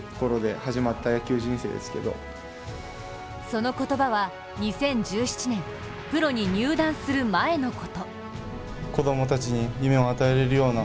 その言葉が、２０１７年プロに入団する前のこと。